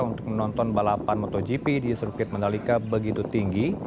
untuk menonton balapan motogp di sirkuit mandalika begitu tinggi